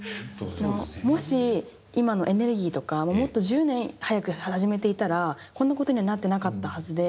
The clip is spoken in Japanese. もし今のエネルギーとかもっと１０年早く始めていたらこんなことにはなってなかったはずで。